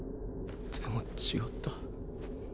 でも違った。